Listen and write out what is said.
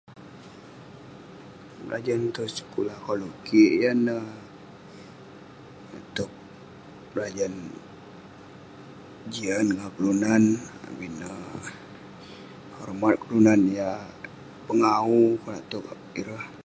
Berajan tong sekulah koluk kik yan neh, konak towk berajan..jian ngan kelunan, abin neh, hormat kelunan yah pengawu konak towk ireh.